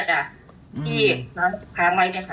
ที่พาไว้เนี่ยค่ะ